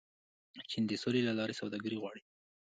چین د سولې له لارې سوداګري غواړي.